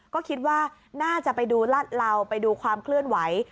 ก็คิดว่าน่าจะไปดูรัดเหลาไปดูความเคลื่อนไหว